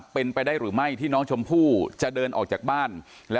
เป็นไปได้หรือไม่ที่น้องชมพู่จะเดินออกจากบ้าน